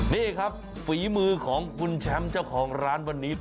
นี่ครับฝีมือของคุณแชมป์เจ้าของร้านวันนี้